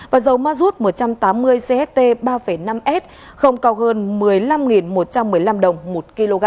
và dầu ma rút một trăm tám mươi cst ba năm s không cao hơn một mươi năm một trăm một mươi năm đồng một kg